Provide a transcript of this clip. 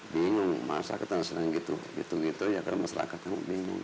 bingung masa kita selain gitu gitu gitu ya karena masyarakat kan bingung